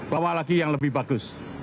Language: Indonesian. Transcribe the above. bawa lagi yang lebih bagus